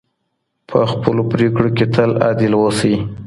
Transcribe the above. په خپلو پرېکړو کي تل عادل اوسئ.